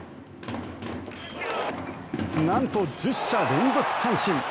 なんと１０者連続三振。